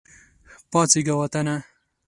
پاڅیږه وطنه !